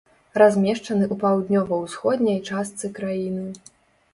Размешчаны ў паўднёва-ўсходняй частцы краіны.